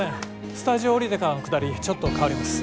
スタジオ降りてからのくだりちょっと変わります。